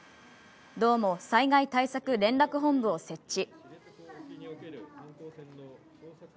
道も災害対策連絡本部を設置。